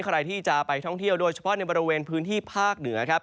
ใครที่จะไปท่องเที่ยวโดยเฉพาะในบริเวณพื้นที่ภาคเหนือครับ